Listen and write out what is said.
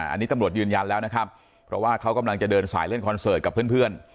อันนี้ตำรวจยืนยันแล้วนะครับเพราะว่าเขากำลังจะเดินสายเล่นคอนเสิร์ตกับเพื่อน